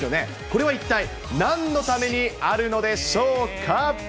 これは一体なんのためにあるのでしょうか？